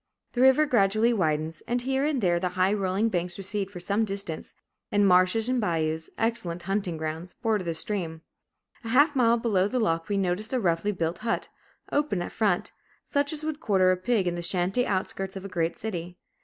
The river gradually widens, and here and there the high rolling banks recede for some distance, and marshes and bayous, excellent hunting grounds, border the stream. A half mile below the lock we noticed a roughly built hut, open at front, such as would quarter a pig in the shanty outskirts of a great city.